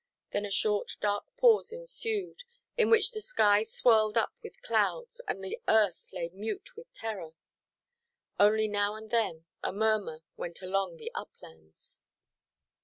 Then a short dark pause ensued, in which the sky swirled up with clouds, and the earth lay mute with terror. Only now and then a murmur went along the uplands.